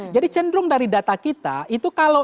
jadi cenderung dari data kita itu kalau empat poros